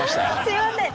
すいません。